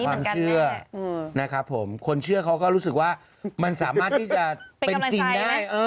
ความเชื่อนะครับผมคนเชื่อเขาก็รู้สึกว่ามันสามารถที่จะเป็นจริงได้